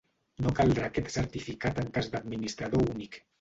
No caldrà aquest certificat en cas d'administrador únic.